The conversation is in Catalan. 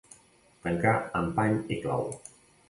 Tancar amb pany i clau.